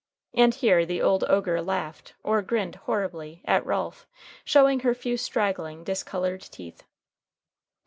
And here the old ogre laughed, or grinned horribly, at Ralph, showing her few straggling, discolored teeth.